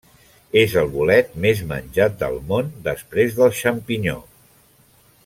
És el bolet més menjat del món després del xampinyó.